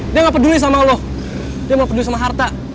dia gak peduli sama lo dia gak peduli sama harta